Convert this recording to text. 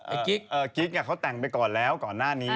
กิ๊กเขาแต่งไปก่อนแล้วก่อนหน้านี้